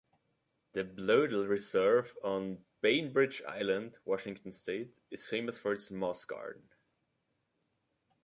The Bloedel Reserve on Bainbridge Island, Washington State, is famous for its moss garden.